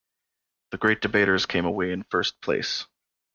The Great Debaters came away in first place.